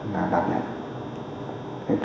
là đặc biệt